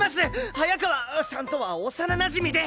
早川さんとは幼なじみで！